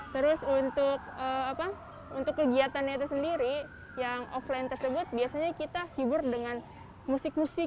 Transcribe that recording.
terus untuk kegiatannya itu sendiri yang offline tersebut biasanya kita hibur dengan musik musik